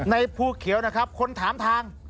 ภูเขียวนะครับคนถามทาง